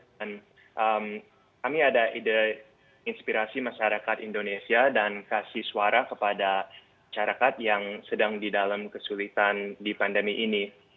kami ada ide inspirasi masyarakat indonesia dan kasih suara kepada syarikat yang sedang di dalam kesulitan di pandemi ini